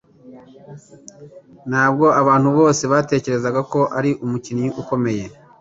Ntabwo abantu bose batekerezaga ko ari umukinnyi ukomeye.